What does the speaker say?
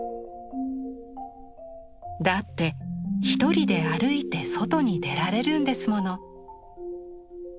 「だって一人で歩いて外に出られるんですもの」。